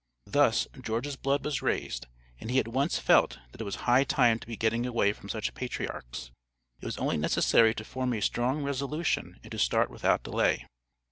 Thus, George's blood was raised, and he at once felt that it was high time to be getting away from such patriarchs. It was only necessary to form a strong resolution and to start without delay.